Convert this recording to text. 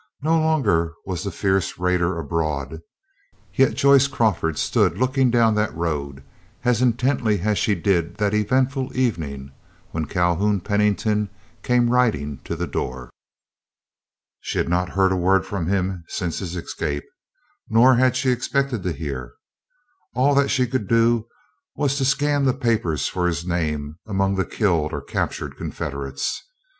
No longer was the fierce raider abroad; yet Joyce Crawford stood looking down that road as intently as she did that eventful evening when Calhoun Pennington came riding to the door. She had not heard a word from him since his escape; nor had she expected to hear. All that she could do was to scan the papers for his name among the killed or captured Confederates.